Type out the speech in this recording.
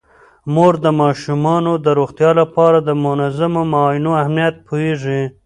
مور د ماشومانو د روغتیا لپاره د منظمو معاینو اهمیت پوهیږي.